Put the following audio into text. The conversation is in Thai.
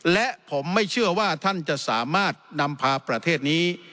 และผมไม่เชื่อว่าท่านจะสามารถนำพาประเทศนี้